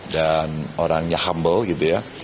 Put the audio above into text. dan orangnya humble gitu ya